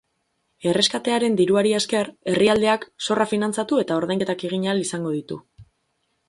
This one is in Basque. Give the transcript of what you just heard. Erreskatearen diruari esker, herrialdeak zorra finantzatu eta ordainketak egin ahal izango ditu.